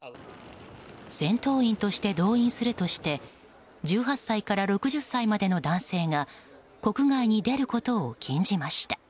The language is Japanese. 戦闘員として動員するとして１８歳から６０歳までの男性が国外に出ることを禁じました。